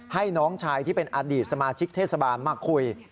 ให้น้องชายที่เป็นอดีตสมาชิกเทศบาลมาคุย